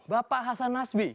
bapak hasan nazmi